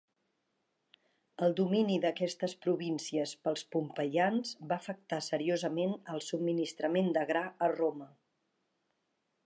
El domini d'aquestes províncies pels pompeians va afectar seriosament al subministrament de gra a Roma.